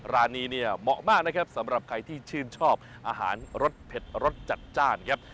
ร้านนี้เนี่ยเหมาะมากนะครับสำหรับใครที่ชื่นชอบอาหารรสเผ็ดรสจัดจ้านครับ